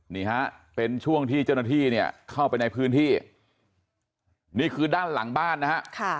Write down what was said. นี่ฮะเป็นช่วงที่เจ้าหน้าที่เนี่ยเข้าไปในพื้นที่นี่คือด้านหลังบ้านนะฮะ